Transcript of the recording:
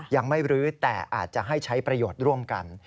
ยังไม่รื้อแต่อาจจะให้ใช้ประโยชน์ร่วมกัน